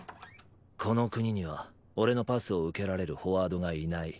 この国には俺のパスを受けられるフォワードがいない。